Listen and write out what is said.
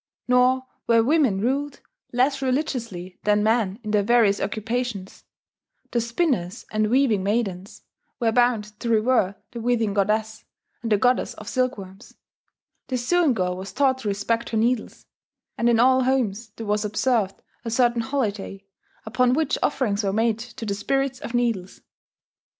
Nor were women ruled less religiously than men in their various occupations: the spinners and weaving maidens were bound to revere the Weaving goddess and the Goddess of Silkworms; the sewing girl was taught to respect her needles; and in all homes there was observed a certain holiday upon which offerings were made to the Spirits of Needles.